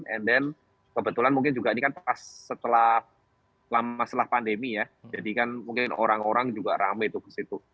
and then kebetulan mungkin juga ini kan pas setelah lama setelah pandemi ya jadi kan mungkin orang orang juga rame tuh ke situ